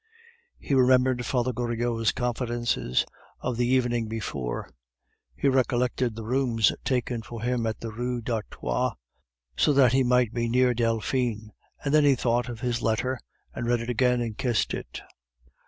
He remembered Father Goriot's confidences of the evening before; he recollected the rooms taken for him in the Rue d'Artois, so that he might be near Delphine; and then he thought of his letter, and read it again and kissed it.